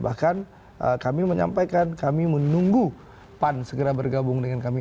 bahkan kami menyampaikan kami menunggu pan segera bergabung dengan kami